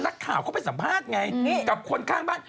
นักข่าวเขาไปสัมภาษณ์ไงกับคนข้างบ้าน